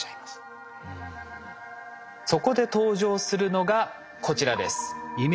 そこで登場するのがこちらです。